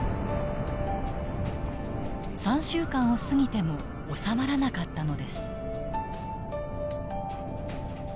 ３週間を過ぎても収まらなかったのです。